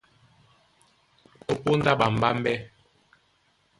Ó póndá ɓambámbɛ́,